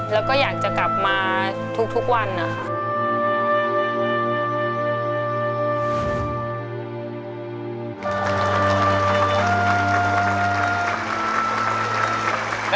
แล้วก็อยากจะกลับมาทุกวันนะคะ